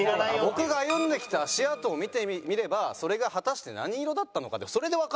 僕が歩んできた足跡を見てみればそれが果たして何色だったのかでそれでわかるはずだったんですよ。